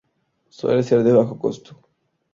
Suele ser de bajo costo.